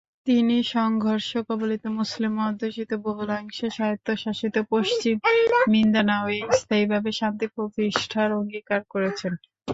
তিনি সংঘর্ষকবলিত, মুসলিম–অধ্যুষিত, বহুলাংশে স্বায়ত্তশাসিত পশ্চিম মিন্দানাওয়ে স্থায়ীভাবে শান্তি প্রতিষ্ঠার অঙ্গীকার করেছেন।